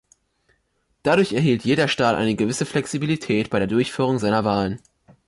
Dadurch erhielt jeder Staat eine gewisse Flexibilität bei der Durchführung seiner Wahlen.